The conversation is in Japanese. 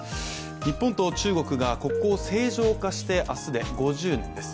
日本と中国が国交正常化して明日で５０年です。